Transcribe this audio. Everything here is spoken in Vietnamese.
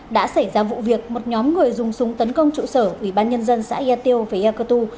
đã xảy ra vụ việc một nhóm người dùng súng tấn công trụ sở ủy ban nhân dân xã yà tiêu và ya cơ tu